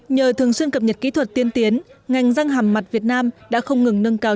nhờ thường xuyên cập nhật kỹ thuật tiên tiến ngành răng hàm mặt việt nam đã không ngừng nâng cao